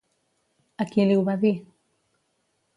A qui li ho va dir?